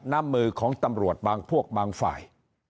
น้ำมือของตำรวจบางพวกบางฝ่าย